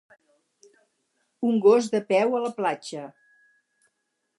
Un gos de peu a la platja.